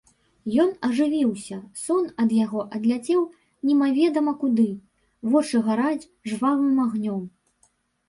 Ён ажывіўся, сон ад яго адляцеў немаведама куды, вочы гараць жвавым агнём.